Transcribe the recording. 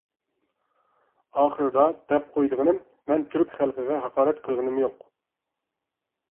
ئاخىرىدا دەپ قويىدىغىنىم، مەن تۈرك خەلقىگە ھاقارەت قىلغىنىم يوق.